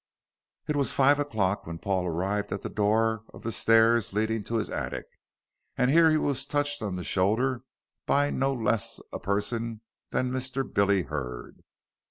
It was five o'clock when Paul arrived at the door of the stairs leading to his attic, and here he was touched on the shoulder by no less a person than Mr. Billy Hurd.